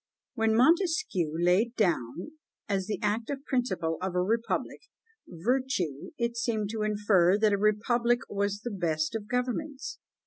When Montesquieu laid down, as the active principle of a republic, virtue, it seemed to infer that a republic was the best of governments.